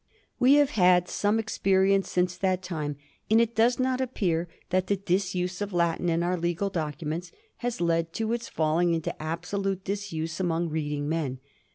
We have had some experience since that time, and it does not appear that the disuse of Latin in our legal docu ments has led to its falling into absolute disuse among reading men.